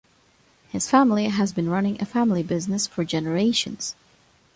His family has been running a family business for generations.